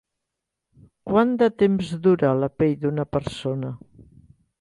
Quant de temps dura la pell d'una persona?